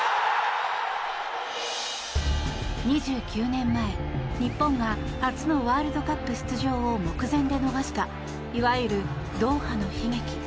２９年前、日本が初のワールドカップ出場を目前で逃したいわゆるドーハの悲劇。